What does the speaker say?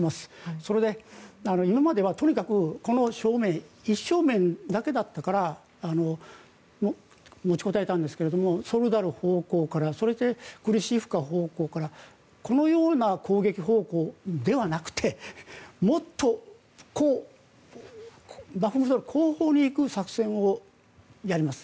それで、今まではとにかくこの正面、１正面だけだったから持ち応えたんですがソレダル方向からそれでクリシフカ方向からこのような攻撃方向ではなくてもっとバフムトの後方に行く作戦をやります。